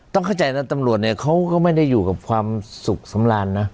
ต้องเข้าใจนะตำรวจเนี่ยเขาก็ไม่ได้อยู่กับความสุขสำราญนะ